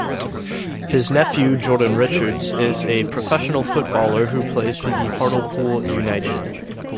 His nephew, Jordan Richards, is a professional footballer who plays for Hartlepool United.